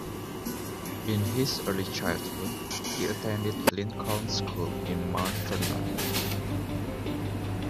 In his early childhood he attended Lincoln School in Mount Vernon.